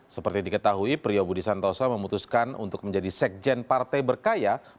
seperti diketahui priyo budi santoso memutuskan untuk menjadi sekjen partai berkarya